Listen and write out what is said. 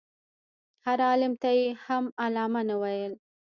هر عالم ته یې هم علامه نه ویل.